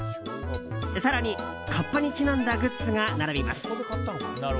更に、カッパにちなんだグッズが並びます。